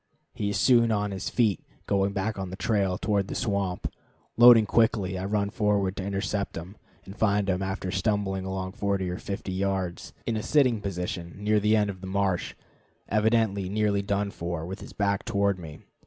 He is soon on his feet, going back on his trail, toward the swamp. Loading quickly, I run forward to intercept him, and find him, after stumbling along 40 or 50 yards, in a sitting position near the edge of the marsh, evidently nearly done for, with his back toward me.